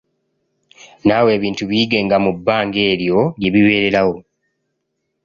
Naawe ebintu biyigenga mu bbanga eryo lye bibeererawo.